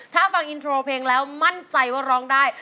ถ้าฟังอินโทรเพลงแล้วมั่นใจว่าร้องได้